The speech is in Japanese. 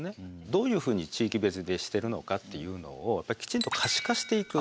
どういうふうに地域別でしてるのかというのをきちんと可視化していく。